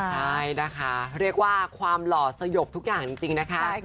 ใช่นะคะเรียกว่าความหล่อสยบทุกอย่างจริงนะคะ